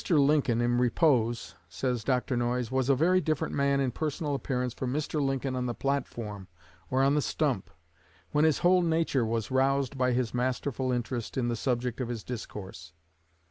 Lincoln in repose," says Dr. Noyes, "was a very different man in personal appearance from Mr. Lincoln on the platform or on the stump, when his whole nature was roused by his masterful interest in the subject of his discourse.